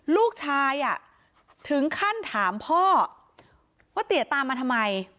ลูกชายถึงขั้นถามพ่อว่าเตี๋ยตามมาทำไม